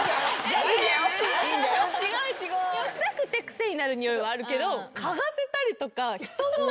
臭くて癖になるにおいはあるけど。